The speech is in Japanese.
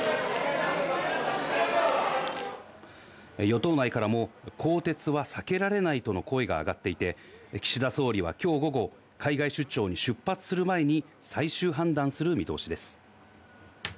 与党内からも更迭は避けられないとの声が上がっていて、岸田総理は今日午後、海外出張に出発する前に最終判断する見通しです。